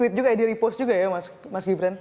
oh itu kayak di repost juga ya mas gibran